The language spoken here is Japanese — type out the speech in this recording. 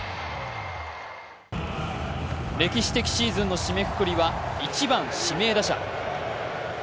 歴史的シーズンの締めくくりは１番・指名打者。